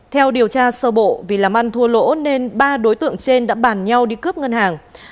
theo điều tra sơ bộ vì làm ăn thua lỗ nên ba đối tượng trên đã bàn nhau đi cướp ngân hàng